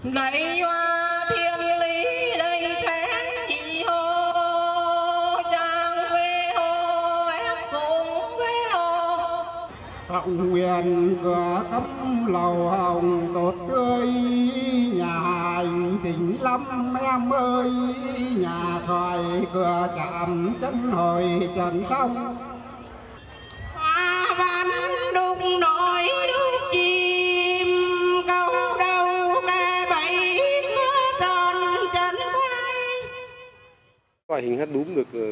này mùa thiên lý đầy trẻ thì hô